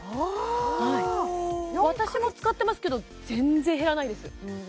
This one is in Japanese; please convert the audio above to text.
私も使ってますけど全然減らないです